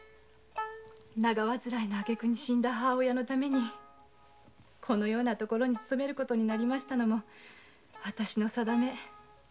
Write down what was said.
長患いのあげく死んだ母親のためにこのような所に勤める事になりましたのも私の運命。